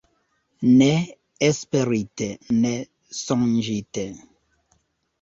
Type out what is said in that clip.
Ne esperite, ne sonĝite.